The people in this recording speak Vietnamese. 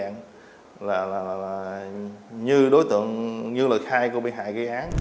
như là thai cô bị hại gây án